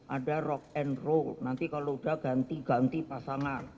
ada rock and role nanti kalau udah ganti ganti pasangan